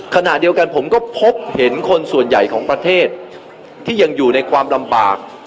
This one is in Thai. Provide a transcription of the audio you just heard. ขณะเดียวกันผมก็พบเห็นคนส่วนใหญ่ของประเทศที่ยังอยู่ในความลำบาก